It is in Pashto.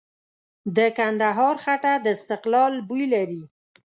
د کندهار خټه د استقلال بوی لري.